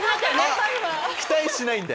「期待しないんで」。